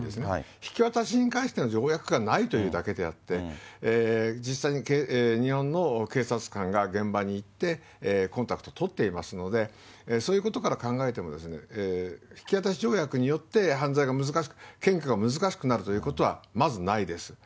引き渡しに関しての条約がないというだけであって、実際に、日本の警察官が現場に行って、コンタクト取っていますので、そういうことから考えても、引き渡し条約によって検挙が難しくなるということは、まず、ないです。